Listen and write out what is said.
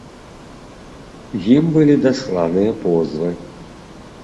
Ім былі дасланыя позвы.